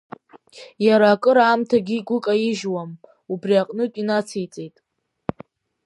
Иара акыр аамҭагьы игәы каижьуам, убри аҟнытә инациҵеит…